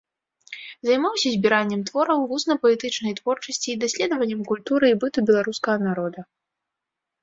Займаўся збіраннем твораў вусна-паэтычнай творчасці і даследаваннем культуры і быту беларускага народа.